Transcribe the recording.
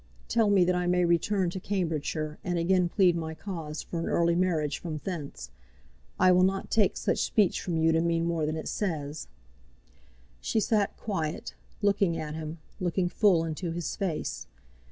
Tell me that I may return to Cambridgeshire, and again plead my cause for an early marriage from thence. I will not take such speech from you to mean more than it says!" She sat quiet, looking at him looking full into his face.